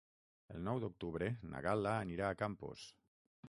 El nou d'octubre na Gal·la anirà a Campos.